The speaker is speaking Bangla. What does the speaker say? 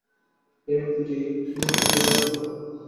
এ উক্তিটি কিবতীটিরও হতে পারে।